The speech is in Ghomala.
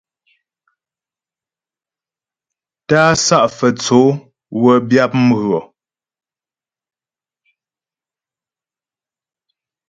Tá'a Sá'a Fə́tsǒ wə́ byǎp mghʉɔ.